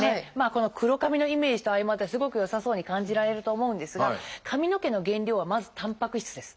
この黒髪のイメージと相まってすごく良さそうに感じられると思うんですが髪の毛の原料はまずたんぱく質です。